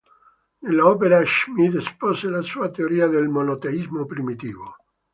Nell’opera Schmidt espose la sua teoria del monoteismo primitivo.